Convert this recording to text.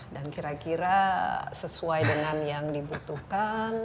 dan kira kira sesuai dengan yang dibutuhkan